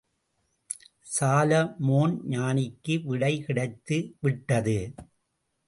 Solomon ஞானிக்கு விடை கிடைத்து விட்டது.